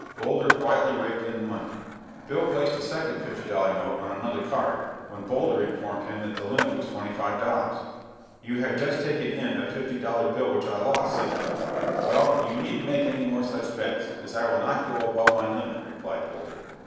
Boulder quietly raked in the money. Bill placed a second fifty dollar note on another card, when Boulder informed him that the limit was twenty five dollars. "You have just taken in a fifty dollar bill which I lost," said Bill. "Well you needn't make any more such bets, as I will not go above my limit," replied Boulder.